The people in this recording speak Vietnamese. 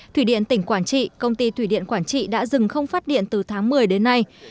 thủy điện tỉnh quảng trị công ty thủy điện quảng trị đã dừng không phát điện từ tháng một mươi đến nay